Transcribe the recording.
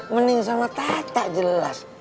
pening sama tata jelas